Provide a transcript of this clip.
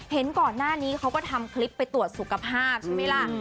เห็นก่อนหน้านี้เขาก็ทำคลิปไปตรวจสุขภาพใช่ไหมล่ะ